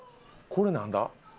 これなんだ？